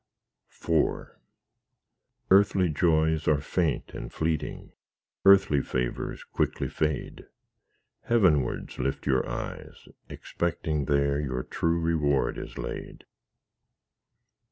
IV Earthly joys are faint and fleeting, Earthly favours quickly fade; Heavenwards lift your eyes, expecting There your true reward is laid.